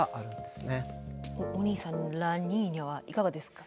お兄さんラニーニャはいかがですか？